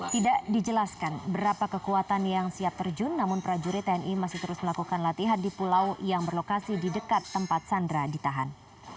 tidak dijelaskan berapa kekuatan yang siap terjun namun prajurit tni masih terus melakukan latihan di pulau yang berlokasi di dekat tempat sandra ditahan